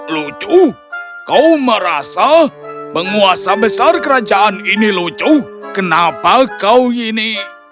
lucu kau merasa penguasa besar kerajaan ini lucu kenapa kau ini